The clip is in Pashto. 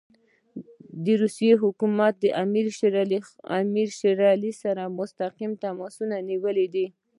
د روسیې حکومت له امیر شېر علي سره مستقیم تماسونه نیولي دي.